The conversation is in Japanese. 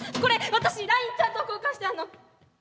私ＬＩＮＥちゃんと交換してあんの。